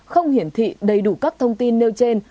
không hiển thị đầy đủ các thông tin nêu trên